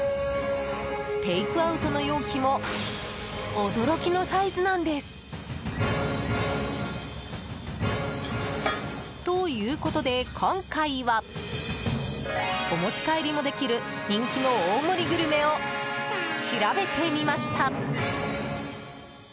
テイクアウトの容器も驚きのサイズなんです！ということで今回はお持ち帰りもできる人気の大盛りグルメを調べてみました。